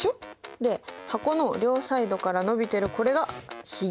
で箱の両サイドから伸びてるこれがひげ。